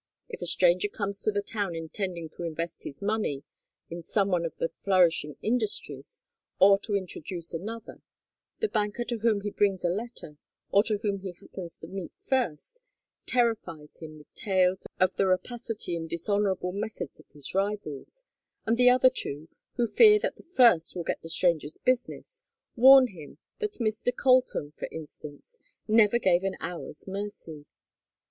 If a stranger comes to the town intending to invest his money in some one of the flourishing industries, or to introduce another, the banker to whom he brings a letter, or whom he happens to meet first, terrifies him with tales of the rapacity and dishonorable methods of his rivals; and the other two, who fear that the first will get the stranger's business, warn him that Mr. Colton, for instance, never gave an hour's mercy.